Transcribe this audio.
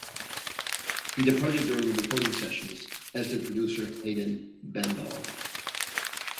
He departed during the recording sessions - as did producer Haydn Bendall.